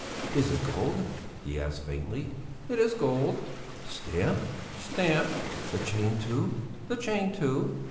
"Is it gold?" he asked faintly. "It is gold." "Stamped?" "Stamped." "The chain, too?" "The chain, too."